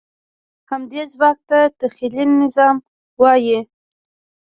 همدې ځواک ته تخیلي نظم وایي.